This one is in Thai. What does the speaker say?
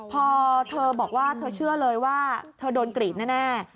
พอเธอบอกว่าเธอเชื่อเลยว่าเธอโดนกรีดแน่